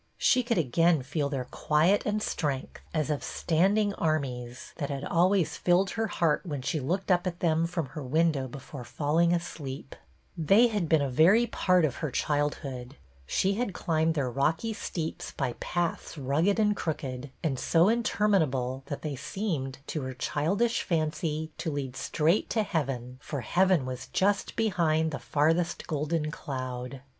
She could again feel their quiet and strength, as of standing armies, that had always filled her heart when she looked at them from her window be fore falling asleep. TIGHT PAPERS'' 1 1 They had been a very part of her childhood; she had climbed their rocky steeps by paths rugged and crooked, and so interminable that they seemed, to her childish fancy, to lead straight to heaven, for heaven was just behind the farthest golden cloud.